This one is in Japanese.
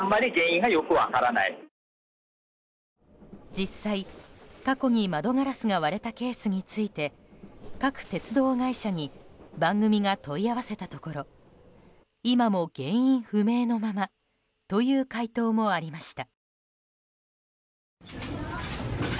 実際、過去に窓ガラスが割れたケースについて各鉄道会社に番組が問い合わせたところ今も原因不明のままという回答もありました。